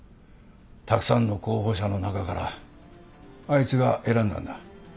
たくさんの候補者の中からあいつが選んだんだ。